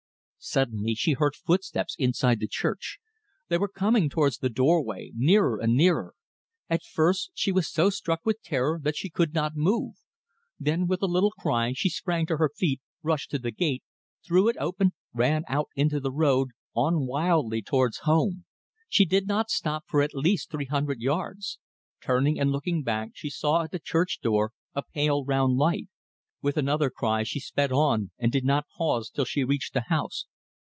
Suddenly she heard footsteps inside the church. They were coming towards the doorway, nearer and nearer. At first she was so struck with terror that she could not move. Then with a little cry she sprang to her feet, rushed to the gate, threw it open, ran out into the road, ind wildly on towards home. She did not stop for at least three hundred yards. Turning and looking back she saw at the church door a pale round light. With another cry she sped on, and did not pause till she reached the house.